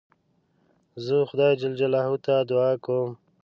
زه خدای جل جلاله ته دؤعا کوم.